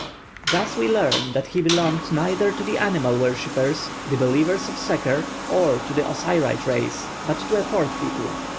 Thus we learn that he belonged neither to the animal worshippers, the believers in Seker, nor to the Osiride race, but to a fourth people.